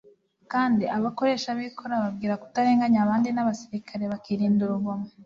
Kandi abakoresha b'ikoro ababwira kutarenganya abandi n'abasirikali bakirinda urugomo.